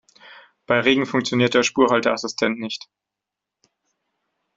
Bei Regen funktioniert der Spurhalteassistent nicht.